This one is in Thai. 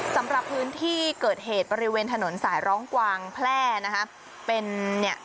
สำหรับพื้นที่เกิดเหตุบริเวณถนนสายร้องกวางแพร่นะคะเป็นเนี่ย